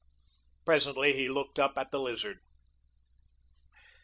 Presently he looked up at the Lizard.